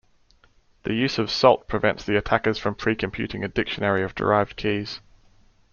The use of salt prevents the attackers from precomputing a dictionary of derived keys.